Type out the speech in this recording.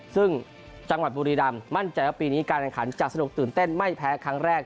ซึ่งจังหวัดบุรีรำมั่นใจว่าปีนี้การแข่งขันจะสนุกตื่นเต้นไม่แพ้ครั้งแรก